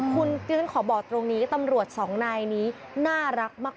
คุณดิฉันขอบอกตรงนี้ตำรวจสองนายนี้น่ารักมาก